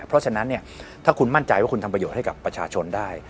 เพราะฉะนั้นถ้าคุณมั่นใจว่าคุณทำประโยชน์ให้กับประชาชนได้